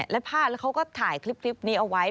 และภาพแล้วเขาก็ถ่ายคลิปนี้เอาไว้